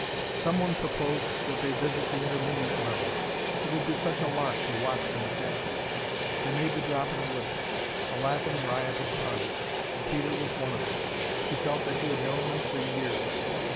Someone proposed that they visit the intermediate levels. It would be such a lark to watch the mechanicals. They made the drop in a lift. A laughing, riotous party. And Peter was one of them! He felt that he had known them for years.